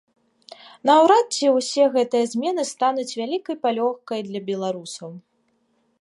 Наўрад ці ўсе гэтыя змены стануць вялікай палёгкай для беларусаў.